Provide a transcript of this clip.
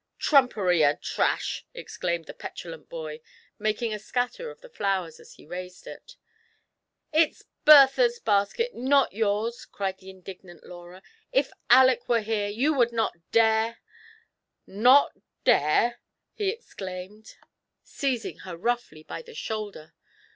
Trumpery and trash !" exclaimed the petulant boy, making a scatter of the flowers as he raised it. " It's Bertha's basket, not yours !" cried the indignant Laura ; "if Aleck were here, you would not dare "—" Not dare !" he exclaimed, seizing her roughly by the shoulder.